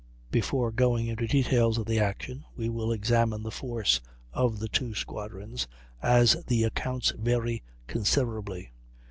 Before going into details of the action we will examine the force of the two squadrons, as the accounts vary considerably.